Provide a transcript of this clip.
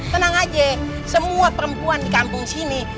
tenang aja semua perempuan di kampung sini